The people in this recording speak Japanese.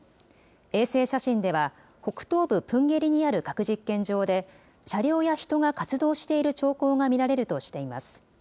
衛星写真では、北東部プンゲリにある核実験場で、車両や人が活動している兆候が見られるとしています。